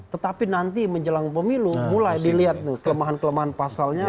tetapi nanti menjelang pemilu mulai dilihat tuh kelemahan kelemahan pasalnya